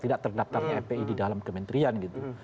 tidak terdaftarnya fpi di dalam kementerian gitu